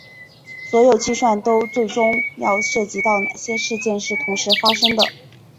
所有计算都最终要涉及到哪些事件是同时发生的。